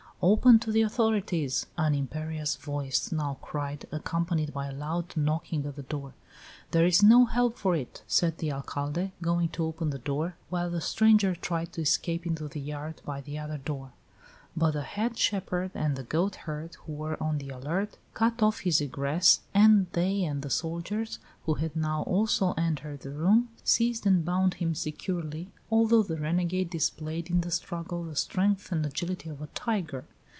"Open to the authorities!" an imperious voice now cried, accompanied by a loud knocking at the door. "There is no help for it!" said the Alcalde, going to open the door, while the stranger tried to escape into the yard by the other door. But the head shepherd and the goat herd, who were on the alert, cut off his egress, and they and the soldiers, who had now also entered the room, seized and bound him securely, although the renegade displayed in the struggle the strength and agility of a tiger.